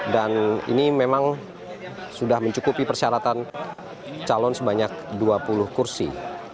dan ini memang sudah mencukupi persyaratan calon sebanyak dua puluh kursi